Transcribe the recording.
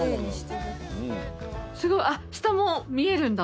すごいあっ下も見えるんだ。